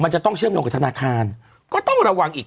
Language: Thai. มันจะต้องเชื่อมโยงกับธนาคารก็ต้องระวังอีก